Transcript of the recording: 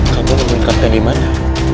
kamu nemuin kapten di mana